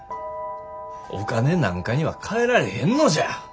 お金なんかにはかえられへんのじゃ。